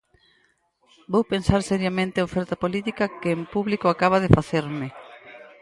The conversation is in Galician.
Vou pensar seriamente a oferta política que en público acaba de facerme.